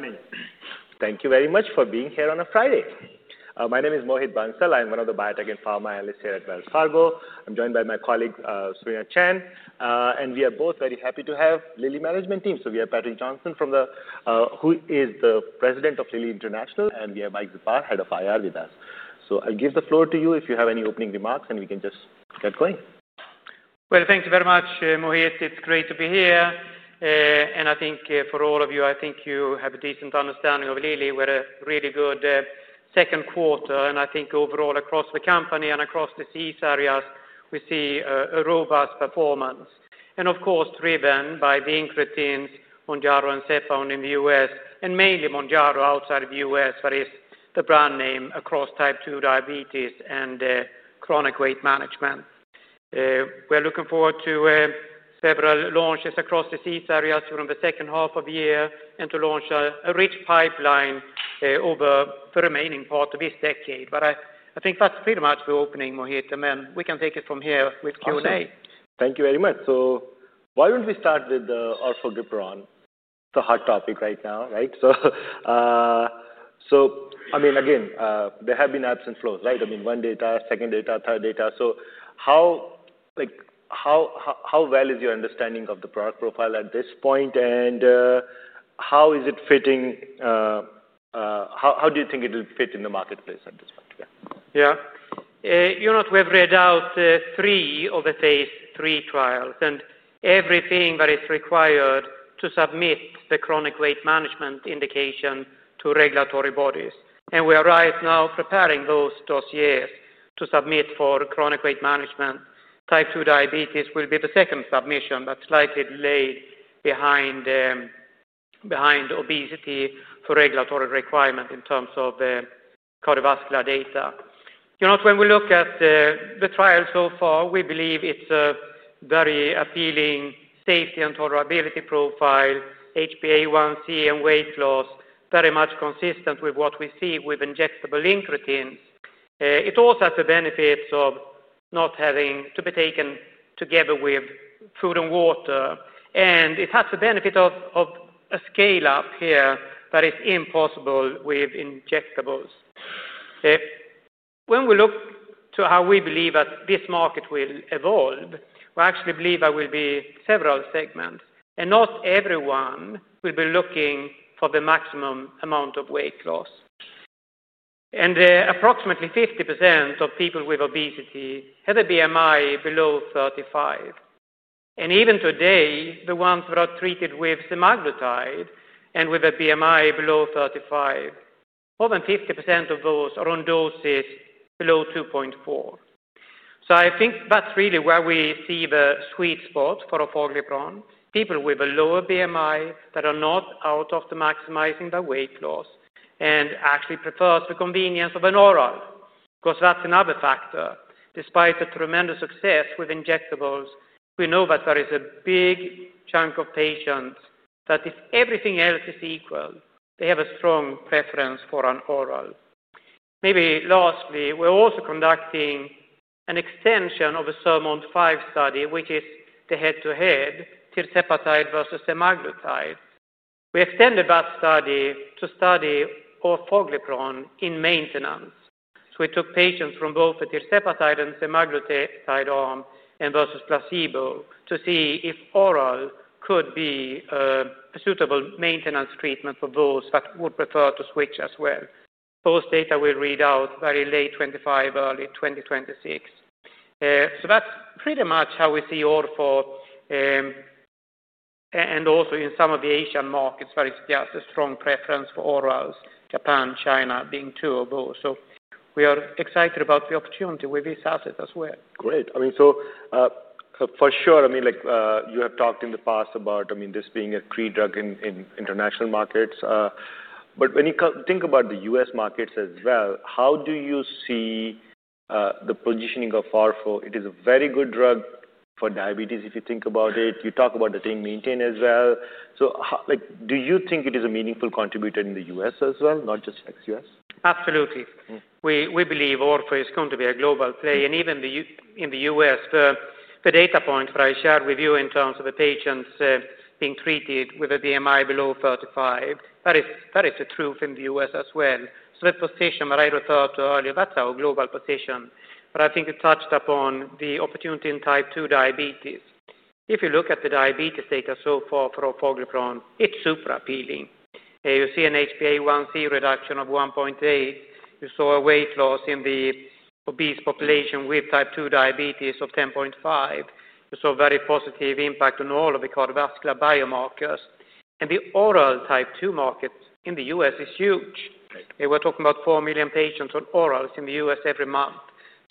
Morning. Thank you very much for being here on a Friday. My name is Mohit Bansal. I'm one of the Biotech and Pharma Analysts here at Wells Fargo. I'm joined by my colleague, Cerena Chen, and we are both very happy to have the Lilly management team. We have Patrik Jonsson, who is the President of Lilly International, and we have Mike Czapar, Head of IR, with us. I'll give the floor to you if you have any opening remarks, and we can just get going. Thank you very much, Mohit. It's great to be here. I think for all of you, you have a decent understanding of Lilly. We had a really good second quarter, and I think overall across the company and across the C-Series, we see a robust performance. Of course, driven by the Incretin on Mounjaro and Zepbound in the U.S., and mainly Mounjaro outside of the U.S., where it's the brand name across Type 2 diabetes and chronic weight management. We are looking forward to several launches across the C-Series during the second half of the year and to launch a rich pipeline over the remaining part of this decade. I think that's pretty much the opening, Mohit. We can take it from here with Q&A. Thank you very much. Why don't we start with the Orforglipron run? It's a hot topic right now, right? I mean, again, there have been ebbs- and- flows, right? I mean, one data, second data, third data. How well is your understanding of the product profile at this point? How is it fitting? How do you think it will fit in the marketplace at this point? Yeah. You know what? We've read out three of the phase III trials and everything that is required to submit the chronic weight management indication to regulatory bodies. We are right now preparing those dossiers to submit for chronic weight management. Type 2 diabetes will be the second submission that's slightly delayed behind obesity for regulatory requirements in terms of cardiovascular data. When we look at the trials so far, we believe it's a very appealing safety and tolerability profile, HbA1c and weight loss, very much consistent with what we see with injectable Incretin. It also has the benefits of not having to be taken together with food and water. It has the benefit of a scale-up here that is impossible with injectables. When we look to how we believe that this market will evolve, we actually believe there will be several segments. Not everyone will be looking for the maximum amount of weight loss. Approximately 50% of people with obesity have a BMI below 35. Even today, the ones that are treated with semaglutide and with a BMI below 35, more than 50% of those are on doses below 2.4. I think that's really where we see the sweet spot for Orforglipron. People with a lower BMI that are not out of the maximizing by weight loss and actually prefer the convenience of an oral. That's another factor. Despite the tremendous success with injectables, we know that there is a big chunk of patients that if everything else is equal, they have a strong preference for an oral. Maybe lastly, we're also conducting an extension of a SURMOUNT-5 study, which is the head-to-head tirzepatide versus semaglutide. We extended that study to study Orforglipron in maintenance. We took patients from both the tirzepatide and semaglutide arm and versus placebo to see if oral could be a suitable maintenance treatment for those that would prefer to switch as well. Those data we read out very late 2025, early 2026. That's pretty much how we see Orfo and also in some of the Asian markets where it's got a strong preference for orals, Japan, China, being two of those. We are excited about the opportunity with this asset as well. Great. For sure, like you have talked in the past about this being a pre-drug in international markets. When you think about the U.S. markets as well, how do you see the positioning of Orfo? It is a very good drug for diabetes if you think about it. You talk about the team maintained as well. Do you think it is a meaningful contributor in the U.S. as well, not just ex-U.S.? Absolutely. We believe Orfo is going to be a global player. Even in the U.S., the data point that I shared with you in terms of the patients being treated with a BMI below 35, that is the truth in the U.S. as well. That position that I referred to earlier, that's our global position. I think we touched upon the opportunity in Type 2 diabetes. If you look at the diabetes data so far for Orforglipron, it's super appealing. You see an HbA1c reduction of 1.8. You saw a weight loss in the obese population with Type 2 diabetes of 10.5. You saw a very positive impact on all of the cardiovascular biomarkers. The oral Type 2 market in the U.S. is huge. We're talking about 4 million patients on orals in the U.S. every month.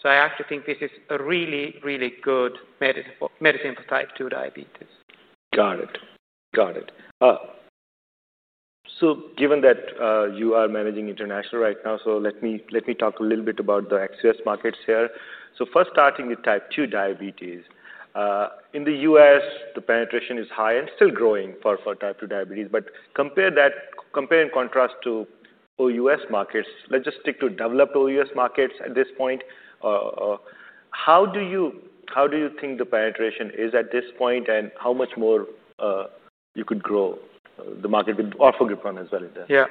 I actually think this is a really, really good medicine for Type 2 diabetes. Got it. Got it. Given that you are managing international right now, let me talk a little bit about the U.S. markets here. First, starting with Type 2 diabetes. In the U.S., the penetration is high and still growing for Type 2 diabetes. Compare that, compare in contrast to U.S. markets. Let's just stick to developed U.S. markets at this point. How do you think the penetration is at this point and how much more you could grow the market with Orforglipron as well? Yeah.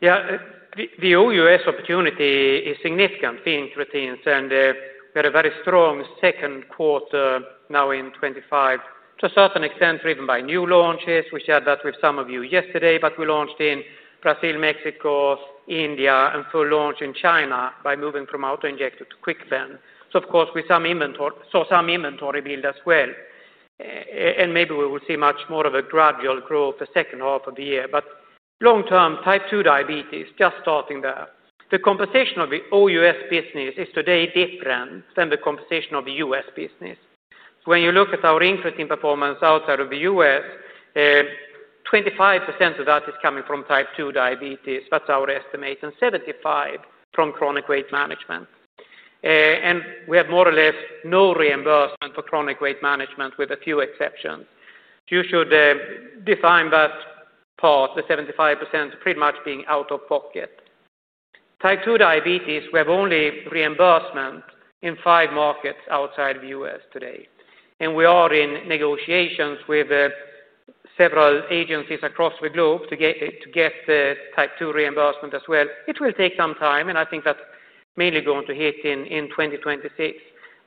Yeah. The OUS opportunity is significant in proteins. We had a very strong second quarter now in 2025, to a certain extent driven by new launches. We shared that with some of you yesterday, but we launched in Brazil, Mexico, India, and full launch in China by moving from auto injector to KwikPen. Of course, we saw some inventory build as well. Maybe we will see much more of a gradual growth the second half of the year. Long-term, Type 2 diabetes just starting there. The composition of the OUS business is today different than the composition of the U.S. business. When you look at our incretin performance outside of the U.S., 25% of that is coming from Type 2 diabetes. That's our estimate. 75% from chronic weight management. We have more or less no reimbursement for chronic weight management with a few exceptions. You should define that part, the 75% pretty much being out of pocket. Type 2 diabetes, we have only reimbursement in five markets outside of the U.S. today. We are in negotiations with several agencies across the globe to get the Type 2 reimbursement as well. It will take some time, and I think that's mainly going to hit in 2026.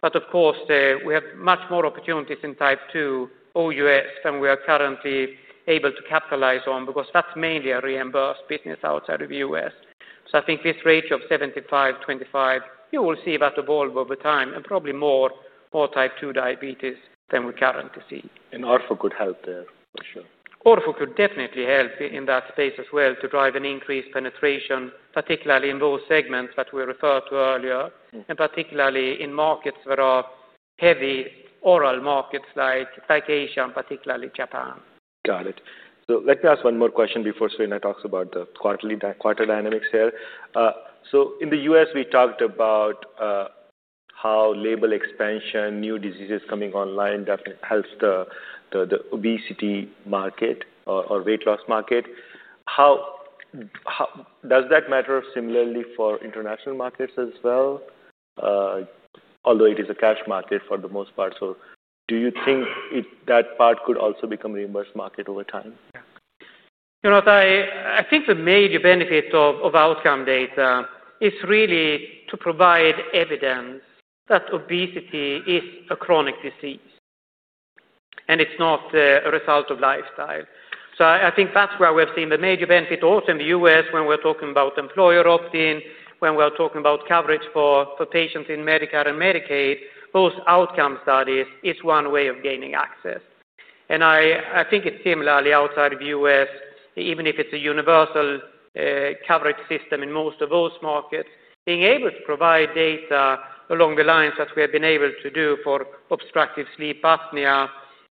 We have much more opportunities in Type 2 all U.S. than we are currently able to capitalize on because that's mainly a reimbursed business outside of the U.S. I think this range of 75/ 25, you will see that evolve over time and probably more Type 2 diabetes than we currently see. Orfo could help there, for sure. Orfo could definitely help in that space as well to drive an increased penetration, particularly in those segments that we referred to earlier, and particularly in markets that are heavy oral markets, like Asia, and particularly Japan. Got it. Let me ask one more question before Cerena talks about the quarter dynamics here. In the U.S., we talked about how label expansion, new diseases coming online definitely helps the obesity market or weight- loss market. Does that matter similarly for international markets as well, although it is a cash market for the most part? Do you think that part could also become a reimbursed market over time? Yeah. I think the major benefit of outcome data is really to provide evidence that obesity is a chronic disease, and it's not a result of lifestyle. I think that's where we've seen the major benefit. Also, in the U.S., when we're talking about employer opt-in, when we're talking about coverage for patients in Medicare and Medicaid, those outcome studies are one way of gaining access. I think it's similarly outside of the U.S., even if it's a universal coverage system in most of those markets, being able to provide data along the lines that we have been able to do for obstructive sleep apnea.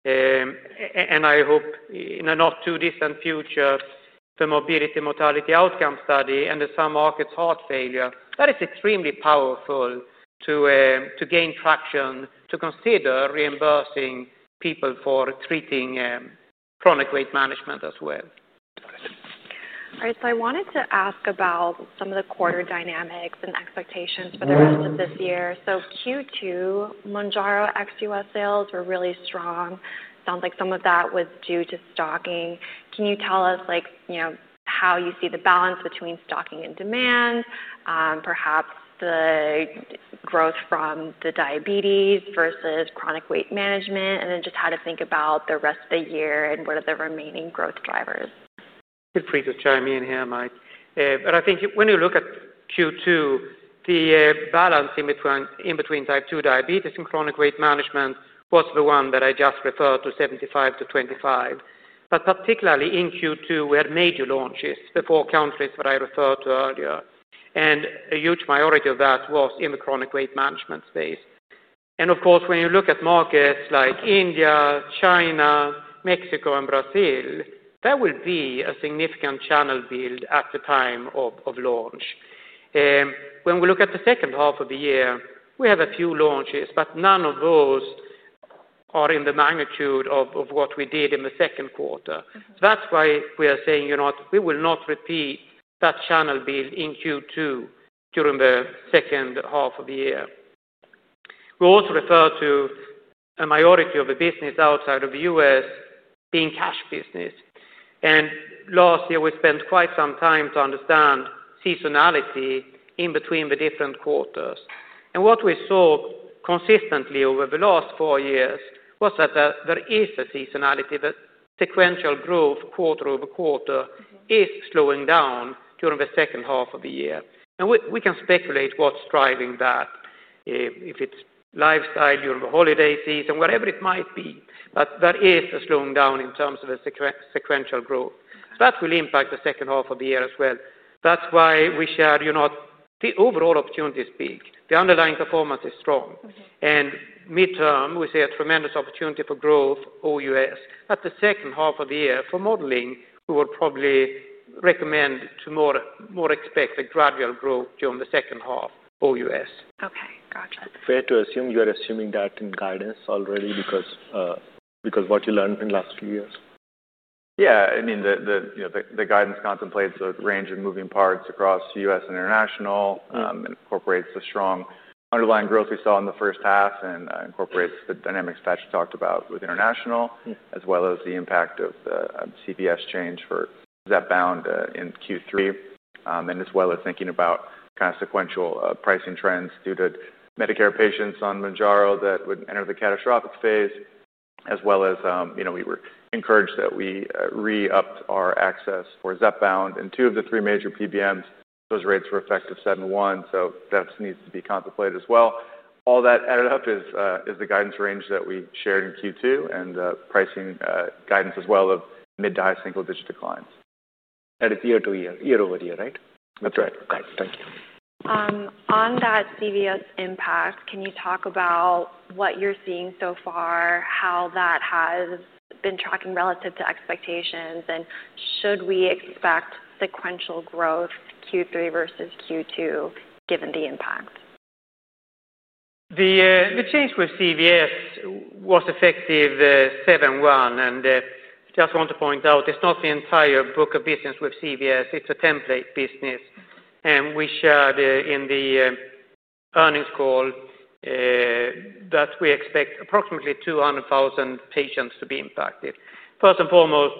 I hope in a not too distant future, the mobility mortality outcome study and in some markets, heart failure, that is extremely powerful to gain traction, to consider reimbursing people for treating chronic weight management as well. All right. I wanted to ask about some of the quarter dynamics and expectations for the rest of this year. Q2, Mounjaro ex-U.S. sales were really strong. It sounds like some of that was due to stocking. Can you tell us how you see the balance between stocking and demand, perhaps the growth from the diabetes versus chronic weight management, and then just how to think about the rest of the year and what are the remaining growth drivers? Feel free to join me in here, Mike. I think when you look at Q2, the balance in between Type 2 diabetes and chronic weight management was the one that I just referred to, 75/ 25. Particularly in Q2, we had major launches, the four countries that I referred to earlier. A huge majority of that was in the chronic weight management space. Of course, when you look at markets like India, China, Mexico, and Brazil, there will be a significant channel build at the time of launch. When we look at the second half of the year, we have a few launches, but none of those are in the magnitude of what we did in the second quarter. That is why we are saying we will not repeat that channel build in Q2 during the second half of the year. We also refer to a majority of the business outside of the U.S. being cash business. Last year, we spent quite some time to understand seasonality in between the different quarters. What we saw consistently over the last four years was that there is a seasonality that sequential growth quarter-over-quarter is slowing down during the second half of the year. We can speculate what's driving that, if it's lifestyle, during the holiday season, whatever it might be. There is a slowing down in terms of a sequential growth. That will impact the second half of the year as well. That is why we share the overall opportunity is big. The underlying performance is strong. Midterm, we see a tremendous opportunity for growth OUS. The second half of the year for modeling, we would probably recommend to more expect a gradual growth during the second half OUS. OK. Gotcha. Fair to assume you are assuming that in guidance already because of what you learned in the last two years? Yeah. I mean, the guidance contemplates a range of moving parts across U.S. and international and incorporates the strong underlying growth we saw in the first half and incorporates the dynamics that you talked about with international, as well as the impact of the CVS change for Zepbound in Q3, and as well as thinking about kind of sequential pricing trends due to Medicare patients on Mounjaro that would enter the catastrophic phase, as well as we were encouraged that we re-upped our access for Zepbound in two of the three major PBMs. Those rates were effective 07/01/2025/2025. That needs to be contemplated as well. All that added up is the guidance range that we shared in Q2 and pricing guidance as well of mid-single-digit declines. That is year-to-year, year-over-year right? That's right. OK. Thank you. On that CVS impact, can you talk about what you're seeing so far, how that has been tracking relative to expectations, and should we expect sequential growth Q3 versus Q2 given the impact? The change with CVS was effective 07/01/2025. I just want to point out, it's not the entire book of business with CVS. It's a template business. We shared in the Earnings Call that we expect approximately 200,000 patients to be impacted. First and foremost,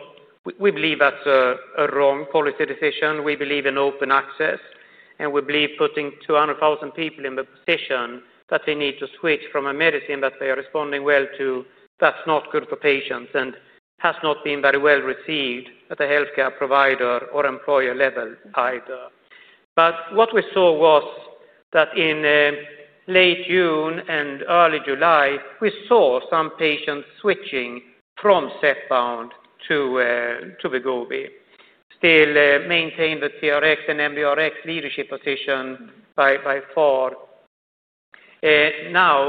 we believe that's a wrong policy decision. We believe in open access. We believe putting 200,000 people in the position that they need to switch from a medicine that they are responding well to is not good for patients and has not been very well received at the health care provider or employer- level either. What we saw was that in late June and early July, we saw some patients switching from Zepbound to Wegovy. Still maintained the TRx and NBRx leadership position by far. Now,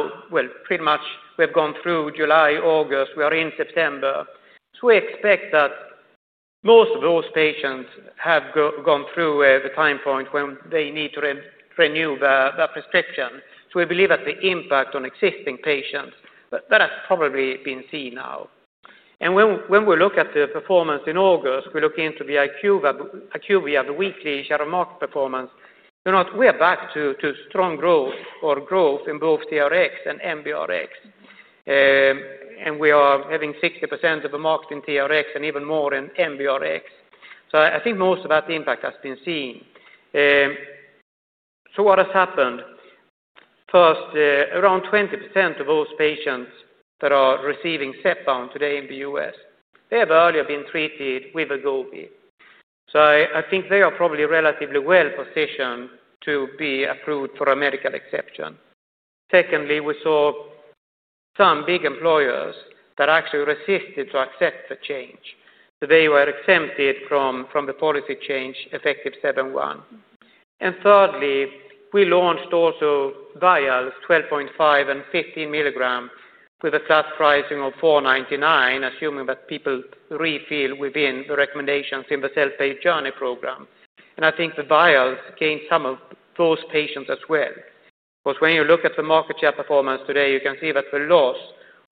pretty much we have gone through July, August. We are in September. We expect that most of those patients have gone through the time point when they need to renew that prescription. We believe that the impact on existing patients has probably been seen now. When we look at the performance in August, we look into the IQVIA, the weekly shadow market performance. We are back to strong growth in both TRx and NBRx. We are having 60% of the market in TRx and even more in NBRx. I think most of that impact has been seen. What has happened? First, around 20% of those patients that are receiving Zepbound today in the U.S., they have earlier been treated with Wegovy. I think they are probably relatively well positioned to be approved for a medical exception. Secondly, we saw some big employers that actually resisted accepting the change. They were exempted from the policy change effective 07/01/2025. Thirdly, we launched also vials 12.5 mg and 15 mg with a cut pricing of $4.99, assuming that people refill within the recommendations in the Self Pay Journey Program. I think the vials gained some of those patients as well. When you look at the market share performance today, you can see that the loss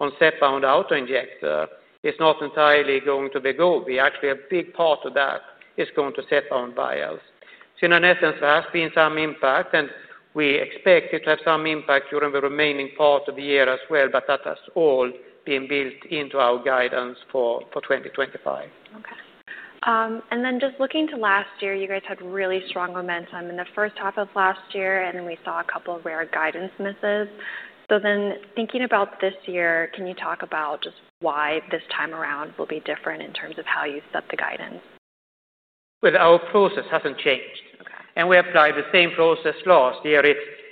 on Zepbound auto injector is not entirely going to Wegovy. Actually, a big part of that is going to Zepbound vials. In essence, there has been some impact. We expect it to have some impact during the remaining part of the year as well, but that has all been built into our guidance for 2025. OK. Just looking to last year, you guys had really strong momentum in the first half of last year. We saw a couple of rare guidance misses. Thinking about this year, can you talk about just why this time around will be different in terms of how you set the guidance? Our process hasn't changed. We applied the same process last year.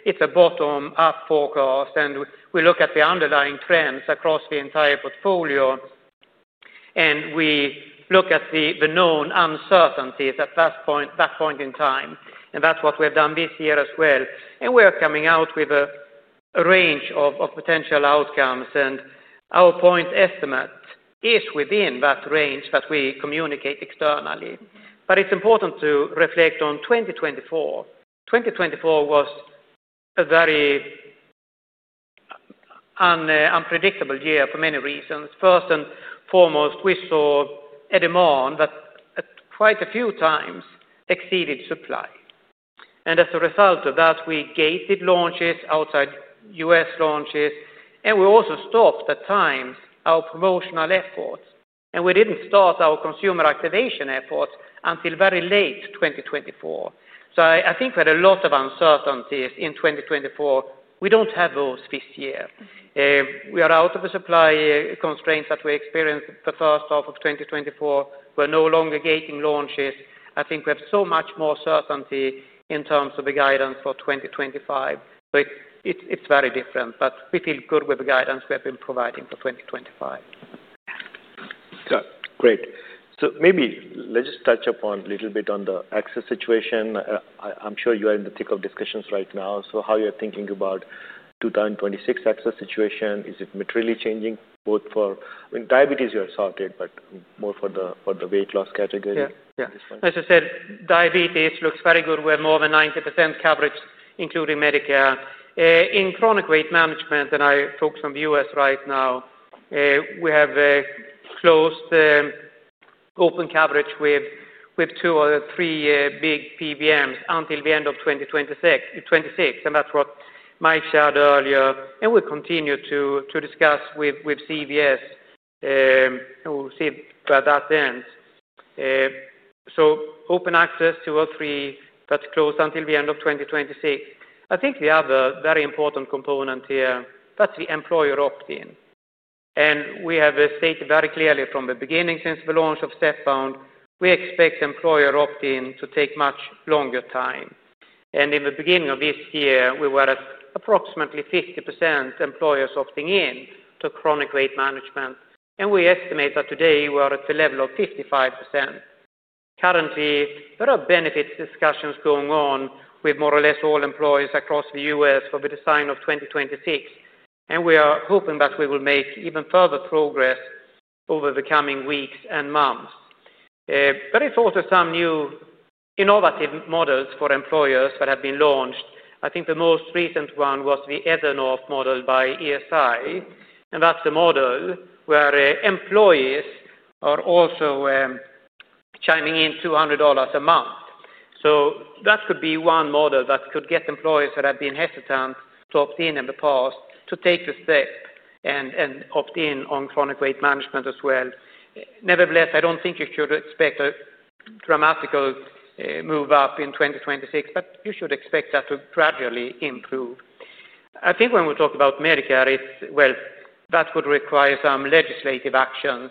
It's a bottom-up forecast, and we look at the underlying trends across the entire portfolio. We look at the known uncertainties at that point in time. That's what we have done this year as well. We are coming out with a range of potential outcomes, and our point estimate is within that range that we communicate externally. It's important to reflect on 2024. 2024 was a very unpredictable year for many reasons. First and foremost, we saw a demand that quite a few times exceeded supply. As a result of that, we gated launches outside- U.S. launches, and we also stopped at times our promotional efforts. We didn't start our consumer activation efforts until very late 2024. I think we had a lot of uncertainties in 2024. We don't have those this year. We are out of the supply constraints that we experienced the first half of 2024. We're no longer gating launches. I think we have so much more certainty in terms of the guidance for 2025. It's very different. We feel good with the guidance we have been providing for 2025. Got it. Great. Maybe let's just touch upon a little bit on the access situation. I'm sure you are in the thick of discussions right now. How you're thinking about the 2026 access situation? Is it materially changing both for, I mean, diabetes you have sorted, but more for the weight loss category? Yeah. As I said, diabetes looks very good. We have more than 90% coverage, including Medicare. In chronic weight management, and I talk from the U.S. right now, we have closed open coverage with two or three big PBMs until the end of 2026. That's what Mike shared earlier. We continue to discuss with CVS. We'll see where that ends. Open access to all three, but closed until the end of 2026. I think the other very important component here is the employer opt-in. We have stated very clearly from the beginning since the launch of Zepbound, we expect employer opt-in to take much longer time. In the beginning of this year, we were at approximately 50% employers opting in to chronic weight management. We estimate that today we are at the level of 55%. Currently, there are benefits discussions going on with more or less all employers across the U.S. for the design of 2026. We are hoping that we will make even further progress over the coming weeks and months. There are also some new innovative models for employers that have been launched. I think the most recent one was the [Aethernoff] model by ESI. That's the model where employees are also chiming in $200- a- month. That could be one model that could get employers that have been hesitant to opt- in in the past to take the step and opt- in on chronic weight management as well. Nevertheless, I don't think you should expect a dramatic move up in 2026. You should expect that to gradually improve. I think when we talk about Medicare, that would require some legislative actions.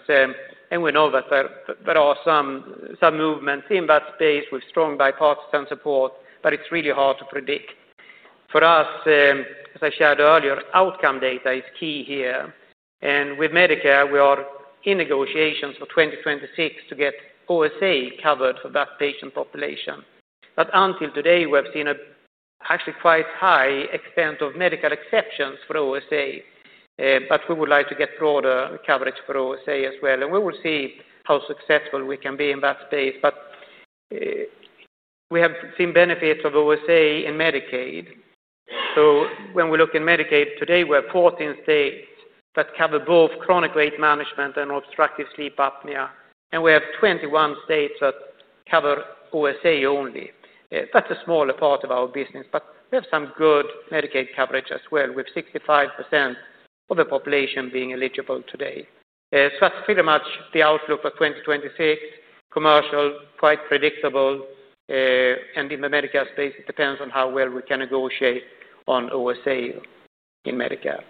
We know that there are some movements in that space with strong bipartisan support. It's really hard to predict. For us, as I shared earlier, outcome data is key here. With Medicare, we are in negotiations for 2026 to get OSA covered for that patient population. Until today, we have seen actually quite a high extent of medical exceptions for OSA. We would like to get broader coverage for OSA as well. We will see how successful we can be in that space. We have seen benefits of OSA in Medicaid. When we look in Medicaid today, we have 14 states that cover both chronic weight management and obstructive sleep apnea. We have 21 states that cover OSA only. That's a smaller part of our business. We have some good Medicaid coverage as well with 65% of the population being eligible today. That's pretty much the outlook for 2026. Commercial, quite predictable. In the Medicare space, it depends on how well we can negotiate on OSA in Medicare.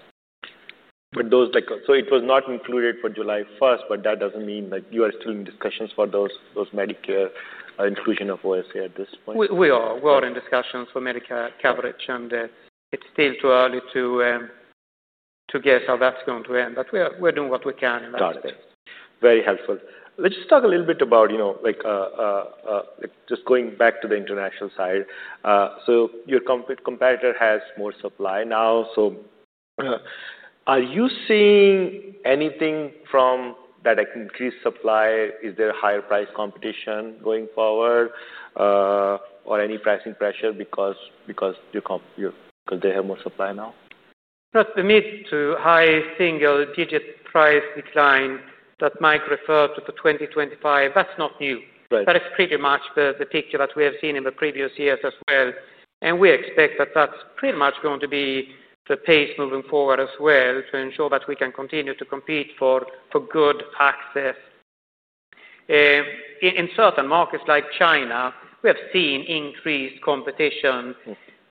It was not included for July 1st, but that doesn't mean that you are still in discussions for those Medicare inclusion of OSA at this point? We are in discussions for Medicare coverage. It's still too early to guess how that's going to end, but we're doing what we can in that space. Got it. Very helpful. Let's just talk a little bit about going back to the international side. Your competitor has more supply now. Are you seeing anything from that increased supply? Is there a higher price competition going forward or any pricing pressure because they have more supply now? The mid to high single-digit price decline that Mike referred to for 2025, that's not new. That is pretty much the picture that we have seen in the previous years as well. We expect that that's pretty much going to be the pace moving forward as well to ensure that we can continue to compete for good access. In certain markets like China, we have seen increased competition.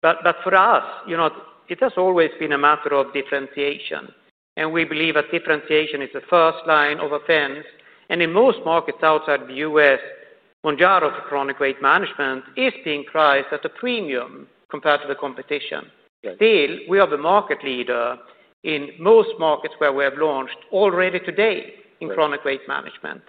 For us, it has always been a matter of differentiation. We believe that differentiation is the first line of offense. In most markets outside the U.S., Mounjaro for chronic weight management is being priced at a premium compared to the competition. Still, we are the market leader in most markets where we have launched already today in chronic weight management.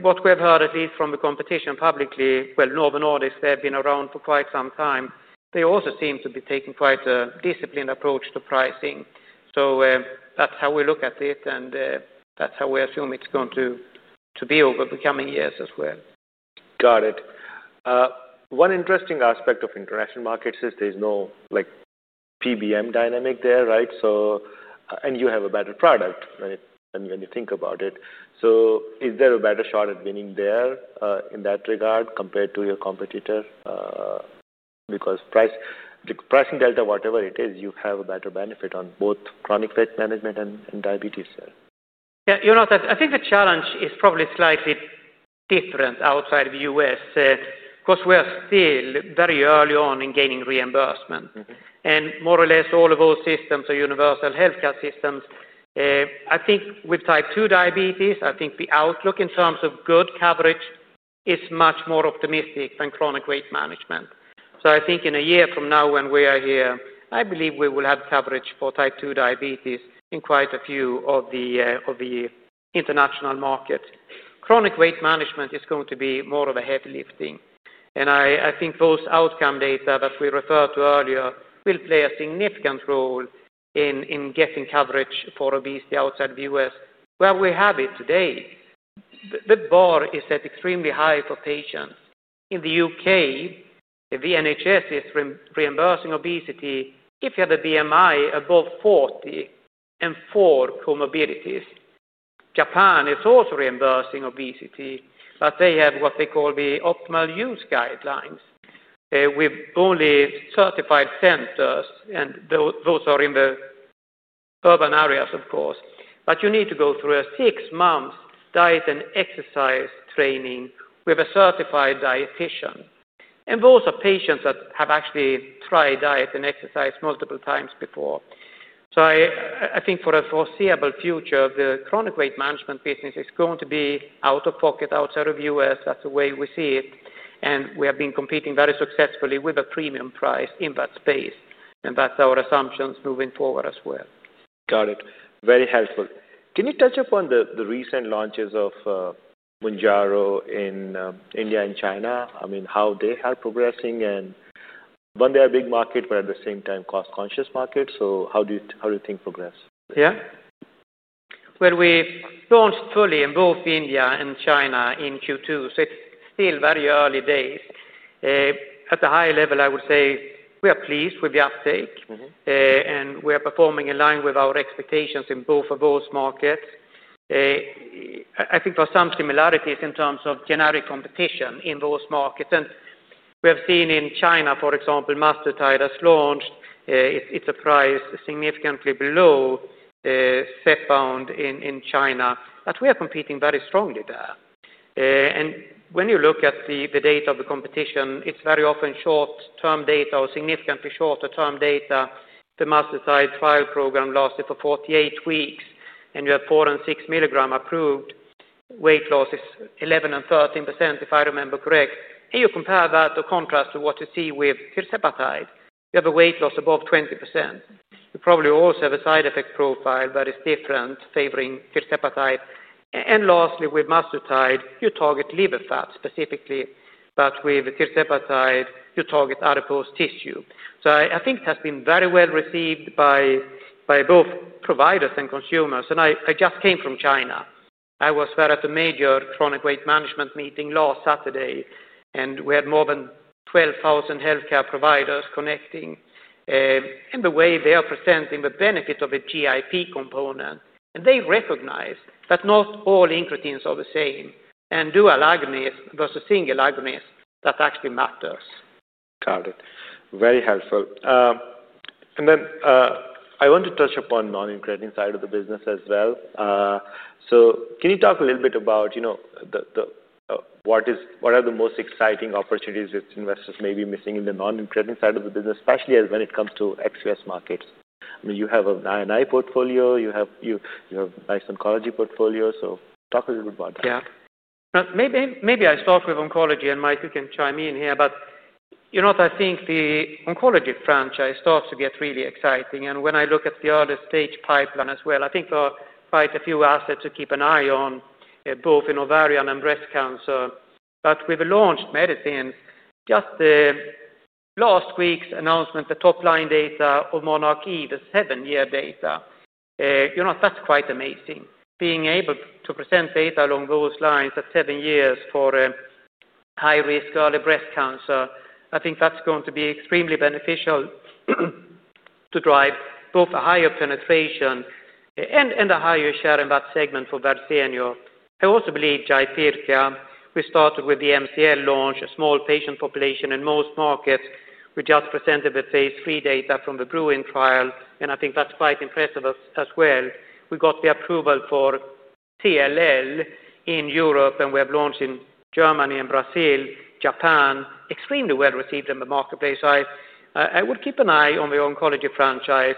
What we have heard, at least from the competition publicly, is that Novo Nordisk, they have been around for quite some time. They also seem to be taking quite a disciplined approach to pricing. That is how we look at it, and that is how we assume it's going to be over the coming years as well. Got it. One interesting aspect of international markets is there's no PBM dynamic there, right? You have a better product, right, than when you think about it. Is there a better shot at winning there in that regard compared to your competitor? Because pricing delta, whatever it is, you have a better benefit on both chronic weight management and diabetes. Yeah. You know that I think the challenge is probably slightly different outside the U.S. because we are still very early on in gaining reimbursement, and more or less all of those systems are universal health care systems. I think with Type 2 diabetes, I think the outlook in terms of good coverage is much more optimistic than chronic weight management. I think in a year from now when we are here, I believe we will have coverage for Type 2 diabetes in quite a few of the international markets. Chronic weight management is going to be more of a heavy lifting. I think those outcome data that we referred to earlier will play a significant role in getting coverage for obesity outside the U.S. The bar is set extremely high for patients. In the U.K., the NHS is reimbursing obesity if you have a BMI above 40 and four comorbidities. Japan is also reimbursing obesity, but they have what they call the optimal use guidelines with only certified centers, and those are in the urban areas, of course. You need to go through a six-month diet and exercise training with a certified dietitian, and those are patients that have actually tried diet and exercise multiple times before. I think for the foreseeable future, the chronic weight management business is going to be out- of- pocket outside of the U.S. That's the way we see it, and we have been competing very successfully with a premium price in that space. That's our assumptions moving forward as well. Got it. Very helpful. Can you touch upon the recent launches of Mounjaro in India and China? I mean, how they are progressing and when they are a big market, but at the same time cost-conscious market? How do you think progress? Yeah. We launched fully in both India and China in Q2. It's still very early days. At the high level, I would say we are pleased with the uptake, and we are performing in line with our expectations in both of those markets. I think there are some similarities in terms of generic competition in those markets. We have seen in China, for example, mazdutide has launched. It's priced significantly below Zepbound in China, but we are competing very strongly there. When you look at the data of the competition, it's very often short-term data or significantly shorter-term data. The mazdutide trial program lasted for 48 weeks, and you had 4 mg and 6 mg approved. Weight loss is 11% and 13%, if I remember correct. You compare that or contrast to what you see with tirzepatide. You have a weight loss above 20%. You probably also have a side effect profile that is different, favoring tirzepatide. Lastly, with mazdutide, you target liver fat specifically, but with tirzepatide, you target adipose tissue. I think it has been very well received by both providers and consumers. I just came from China. I was there at a major chronic weight management meeting last Saturday, and we had more than 12,000 health care providers connecting. The way they are presenting the benefit of a GIP component, and they recognize that not all incretins are the same. Dual agonists versus single agonists, that actually matters. Got it. Very helpful. I want to touch upon the non-incretin side of the business as well. Can you talk a little bit about what are the most exciting opportunities that investors may be missing in the non-incretin side of the business, especially when it comes to ex-U.S. markets? I mean, you have an INI portfolio. You have a nice oncology portfolio. Talk a little bit about that. Yeah. Maybe I start with oncology. Mike, you can chime in here. You know that I think the oncology franchise starts to get really exciting. When I look at the early stage pipeline as well, I think there are quite a few assets to keep an eye on both in ovarian and breast cancer. With the launched medicine, just the last week's announcement, the top line data of monarchE, the seven-year data, you know that's quite amazing. Being able to present data along those lines at seven years for high-risk early breast cancer, I think that's going to be extremely beneficial to drive both a higher penetration and a higher share in that segment for Verzenio. I also believe Jaypirca. We started with the MCL launch, a small patient population in most markets. We just presented the phase III data from the BRUIN trial. I think that's quite impressive as well. We got the approval for TLL in Europe. We have launched in Germany, Brazil, Japan, extremely well received in the marketplace. I would keep an eye on the oncology franchise.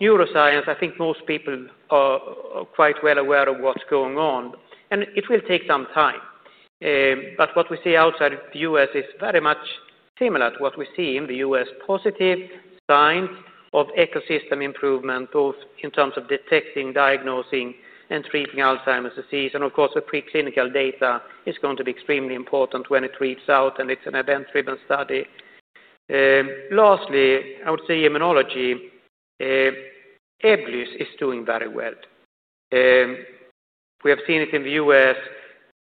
Neuroscience, I think most people are quite well aware of what's going on. It will take some time. What we see outside of the U.S. is very much similar to what we see in the U.S. Positive signs of ecosystem improvement, both in terms of detecting, diagnosing, and treating Alzheimer's disease. Of course, the preclinical data is going to be extremely important when it reads out. It's an event-driven study. Lastly, I would say immunology. Ebglyss is doing very well. We have seen it in the U.S.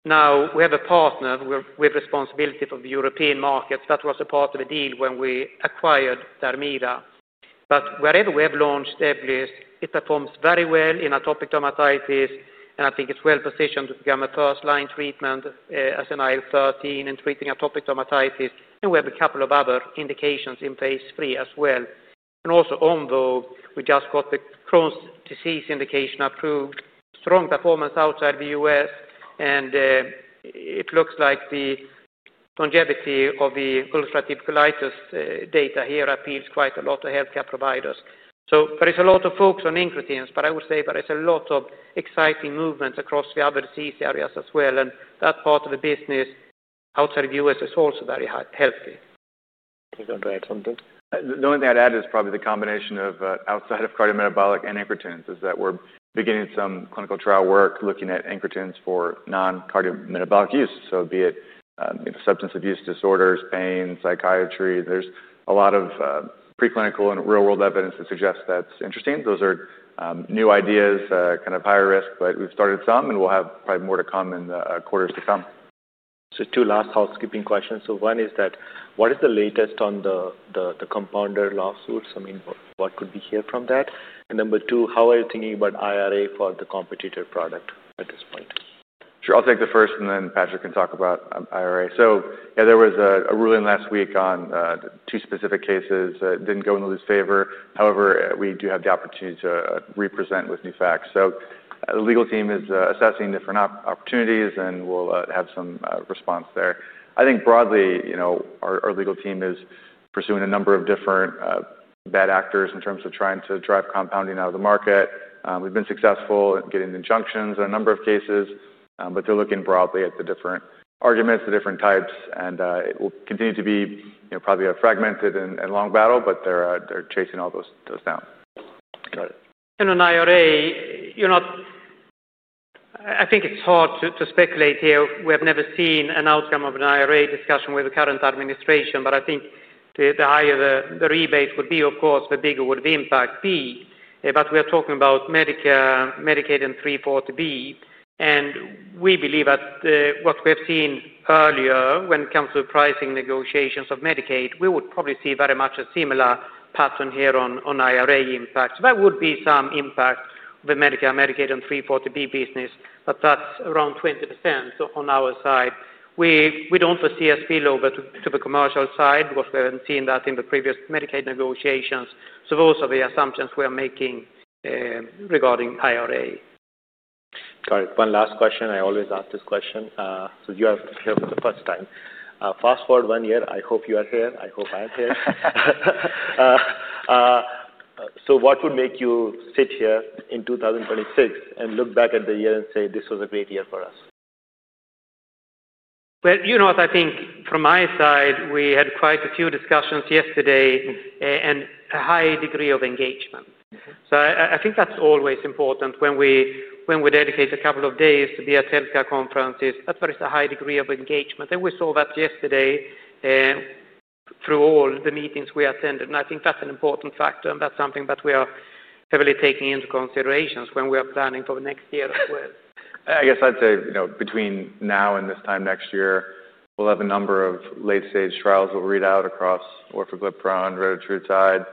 Now, we have a partner with responsibility for the European markets. That was a part of a deal when we acquired Dermira. Wherever we have launched Ebglyss, it performs very well in atopic dermatitis. I think it's well positioned to become a first-line treatment as an IL-13 in treating atopic dermatitis. We have a couple of other indications in phase III as well. Also, Omvoh, we just got the Crohn's disease indication approved. Strong performance outside the U.S. It looks like the longevity of the ulcerative colitis data here appeals quite a lot to health care providers. There is a lot of focus on incretins. I would say there is a lot of exciting movements across the other disease areas as well. That part of the business outside the U.S. is also very healthy. You want to add something? The only thing I'd add is probably the combination of outside of cardiometabolic and incretins is that we're beginning some clinical trial work looking at incretins for non-cardiometabolic use. Be it substance abuse disorders, pain, psychiatry, there's a lot of preclinical and real-world evidence that suggests that's interesting. Those are new ideas, kind of higher risk, but we've started some. We'll have probably more to come in the quarters to come. Two last housekeeping questions. One is, what is the latest on the compounder lawsuits? What could we hear from that? Number two, how are you thinking about IRA for the competitor product at this point? Sure. I'll take the first. Patrik can talk about IRA. There was a ruling last week on two specific cases. It didn't go in Lilly's favor. However, we do have the opportunity to re-present with new facts. The legal team is assessing different opportunities, and we'll have some response there. I think broadly, our legal team is pursuing a number of different bad actors in terms of trying to drive compounding out of the market. We've been successful in getting injunctions in a number of cases. They're looking broadly at the different arguments, the different types. It will continue to be probably a fragmented and long battle. They're chasing all those down. Got it. On IRA, I think it's hard to speculate here. We have never seen an outcome of an IRA discussion with the current administration. I think the higher the rebate would be, of course, the bigger would the impact be. We are talking about Medicare and Medicaid in 340B. We believe that what we have seen earlier when it comes to pricing negotiations of Medicaid, we would probably see very much a similar pattern here on IRA impact. There would be some impact of the Medicare and Medicaid in 340B business. That's around 20% on our side. We don't foresee a spillover to the commercial side because we haven't seen that in the previous Medicaid negotiations. Those are the assumptions we are making regarding IRA. Got it. One last question. I always ask this question. You have a first time. Fast forward one year. I hope you are here. I hope I am here. What would make you sit here in 2026 and look back at the year and say, this was a great year for us? I think from my side, we had quite a few discussions yesterday and a high degree of engagement. I think that's always important when we dedicate a couple of days to be at health care conferences that there is a high degree of engagement. We saw that yesterday through all the meetings we attended. I think that's an important factor, and that's something that we are heavily taking into consideration when we are planning for the next year as well. I guess I'd say between now and this time next year, we'll have a number of late-stage trials we'll read out across Orforglipron, Retatrutide,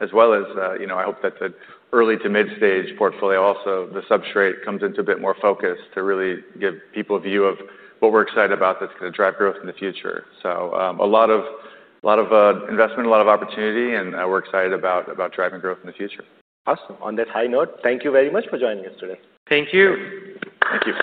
as well as I hope that the early to mid-stage portfolio also, the substrate comes into a bit more focus to really give people a view of what we're excited about that's going to drive growth in the future. A lot of investment, a lot of opportunity, and we're excited about driving growth in the future. Awesome. On that high note, thank you very much for joining us today. Thank you. Thank you.